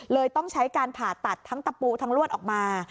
ต้องใช้การผ่าตัดทั้งตะปูทั้งลวดออกมา